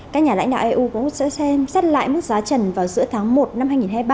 các nhà lãnh đạo eu cũng sẽ xem xét lại mức giá trần vào giữa tháng một năm hai nghìn hai mươi ba